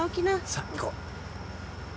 さあ行こう。